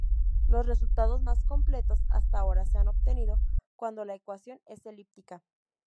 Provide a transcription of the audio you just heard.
Los resultados más completos hasta ahora se han obtenido cuando la ecuación es elíptica.